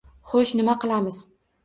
Xo`sh, nima qilamiz